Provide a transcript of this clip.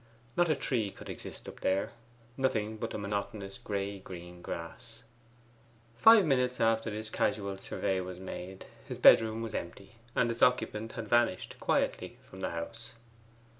Not a tree could exist up there: nothing but the monotonous gray green grass. Five minutes after this casual survey was made his bedroom was empty, and its occupant had vanished quietly from the house.